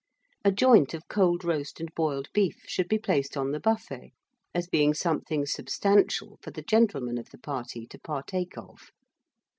A joint of cold roast and boiled beef should be placed on the buffet, as being something substantial for the gentlemen of the party to partake of.